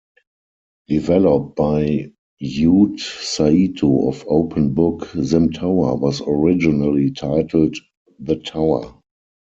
Developed by Yoot Saito of OpenBook, "SimTower" was originally titled "The Tower".